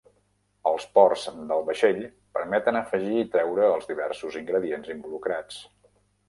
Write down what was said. Els ports del vaixell permeten afegir i treure els diversos ingredients involucrats.